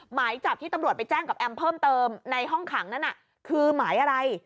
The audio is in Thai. หมายจับที่ตำรวจไปแจ้งกับแอมเพิ่มเติมในห้องขังนั้นน่ะคือหมายอะไร